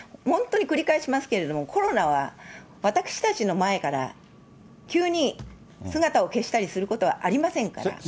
本当に繰り返しますけれども、コロナは私たちの前から、急に姿を消したりすることはありませんから。